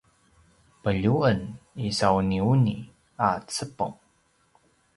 pelju’en isauniuni a cepeng